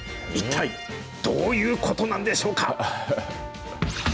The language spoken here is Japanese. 一体、どういうことなんでしょうか。